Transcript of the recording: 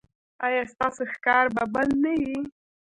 ایا ستاسو ښکار به بند نه وي؟